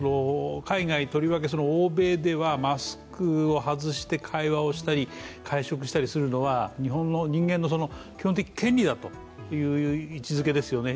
海外、とりわけ欧米ではマスクを外して会話をしたり会食したりするのは人間の基本的権利だという位置づけですよね。